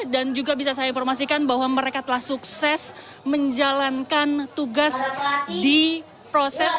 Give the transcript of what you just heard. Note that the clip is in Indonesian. dan juga bisa saya informasikan bahwa mereka telah sukses menjalankan tugas di proses